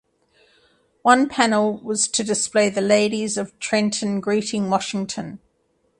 One panel was to display the Ladies of Trenton greeting Washington.